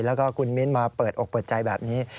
แล้วก็คุณมิ้นมาเปิดอกเปิดใจแบบนี้